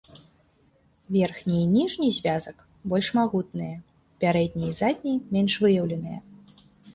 Верхні і ніжні звязак больш магутныя, пярэдні і задні менш выяўленыя.